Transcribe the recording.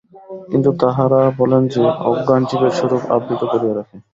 কিন্তু তাঁহারা বলেন যে, অজ্ঞান জীবের স্বরূপ আবৃত করিয়া রাখে।